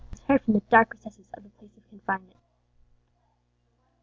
was heard from the dark recesses of the place of confinement.